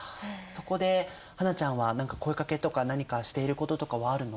そこで英ちゃんは声かけとか何かしていることとかはあるの？